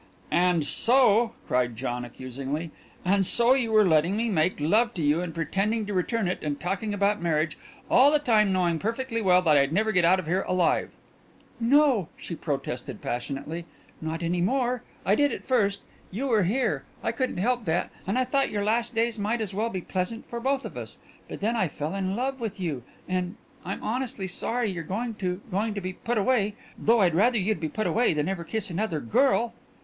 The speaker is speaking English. "And so," cried John accusingly, "and so you were letting me make love to you and pretending to return it, and talking about marriage, all the time knowing perfectly well that I'd never get out of here alive " "No," she protested passionately. "Not any more. I did at first. You were here. I couldn't help that, and I thought your last days might as well be pleasant for both of us. But then I fell in love with you, and and I'm honestly sorry you're going to going to be put away though I'd rather you'd be put away than ever kiss another girl."